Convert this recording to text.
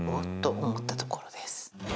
っと思ったところです。